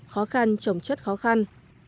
khó khăn chổng chất khó khăn